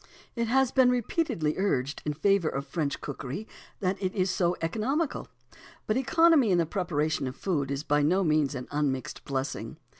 It has been repeatedly urged in favour of French cookery that it is so economical. But economy in the preparation of food is by no means an unmixed blessing.